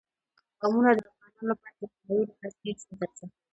قومونه د افغانانو لپاره په معنوي لحاظ ډېر زیات ارزښت لري.